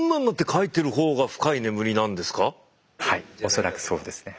恐らくそうですね。